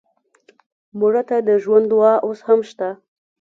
مړه ته د ژوند دعا اوس هم شته